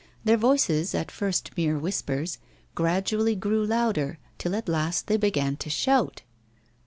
Their voices, at first mere whispers, gradually grew louder, till at last they began to shout.